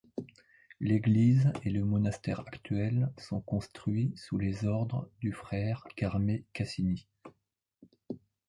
L'église et le monastère actuel sont construits sous les ordres du frère Carme Cassini.